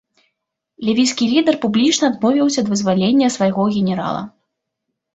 Лівійскі лідар публічна адмовіўся ад вызвалення свайго генерала.